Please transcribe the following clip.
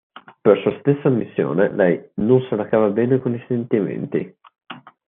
Per sua stessa ammissione lei "non se la cava bene con i sentimenti".